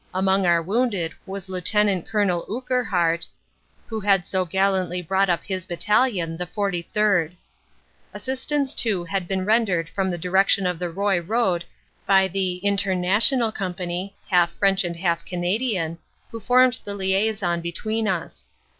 Among our wounded was Lieut Col. Urquhart, who had so gallantly brought up his Battalion, the 43rd. Assistance too had been rendered from the direction of the Roye road by the "Inter national Company," half French and half Canadian, who formed the liason between us.